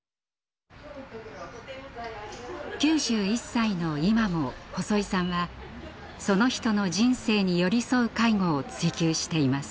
９１歳の今も細井さんはその人の人生に寄り添う介護を追求しています。